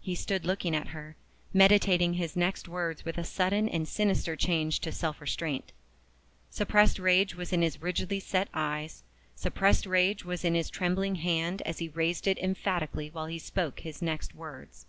He stood looking at her, meditating his next words with a sudden and sinister change to self restraint. Suppressed rage was in his rigidly set eyes, suppressed rage was in his trembling hand as he raised it emphatically while he spoke his next words.